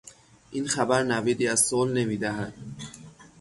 این خبر نویدی از صلح نمیدهد.